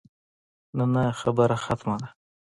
نه نه خبره ختمه ده.